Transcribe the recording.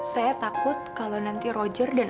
saya takut kalau nanti roger dan